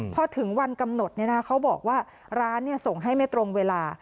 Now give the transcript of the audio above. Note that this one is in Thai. พอถึงวันกำหนดเขาบอกว่าร้านส่งให้ไม่ตรงเวลา